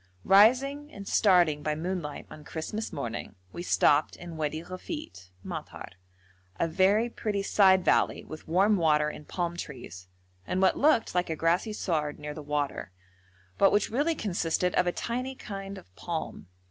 Rising and starting by moonlight on Christmas morning, we stopped in Wadi Ghafit (madhar), a very pretty side valley, with warm water and palm trees, and what looked like a grassy sward near the water, but which really consisted of a tiny kind of palm.